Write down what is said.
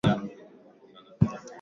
Kila baada ya miaka kumi na tano kupita